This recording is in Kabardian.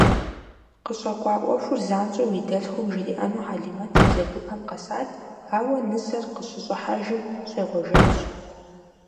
КъыщӀэкӀуа Ӏуэхур занщӀэу и дэлъхум жриӀэну Хьэлимэт и бзэгупэм къэсат, ауэ, нысэр къыщыщӀыхьэжым, щӀегъуэжащ.